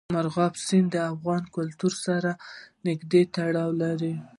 مورغاب سیند د افغان کلتور سره نږدې تړاو لري.